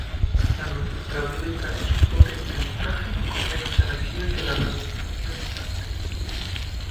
La luz ultravioleta es un potente mutágeno con menos energía que la radiación ionizante.